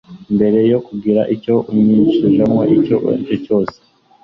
Mbere yo kugira icyo yinjiramo icyo aricyo cyose